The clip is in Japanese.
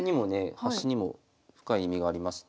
端にも深い意味がありまして。